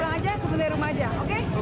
saya gak mau sepuluh ribu